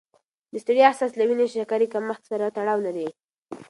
د ستړیا احساس له وینې د شکرې کمښت سره تړاو لري.